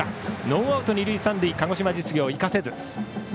ノーアウト、二塁三塁鹿児島実業、生かせず。